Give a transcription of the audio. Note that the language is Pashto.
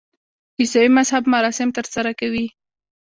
د عیسوي مذهب مراسم ترسره کوي.